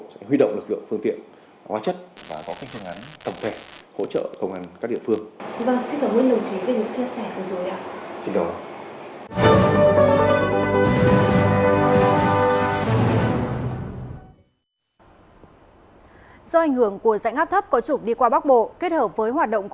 sẽ huy động lực lượng phương tiện hóa chất và có cách chứng án tổng thể hỗ trợ công an các địa phương